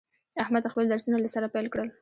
احمد خپل درسونه له سره پیل کړل.